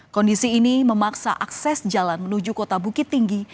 kondisi ini memaksa akses jalan menuju kota bukit tinggi